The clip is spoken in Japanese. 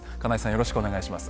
よろしくお願いします。